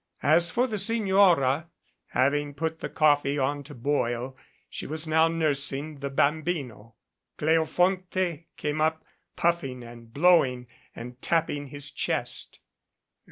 As for the Signora, having put the coffee on to boil, she was now nursing the bambino. Cleofonte came up, puffing and blowing and tapping his chest.